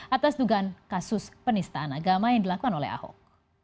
atas dugaan kasus penistaan agama yang dilakukan oleh ahok